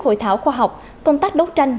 hội thảo khoa học công tác đấu tranh